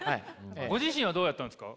ご自身はどうだったんですか？